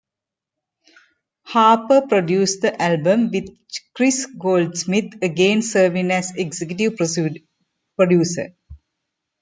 Harper produced the album, with Chris Goldsmith again serving as executive producer.